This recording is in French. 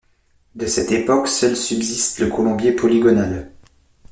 De cette époque, seul subsiste le colombier polygonal.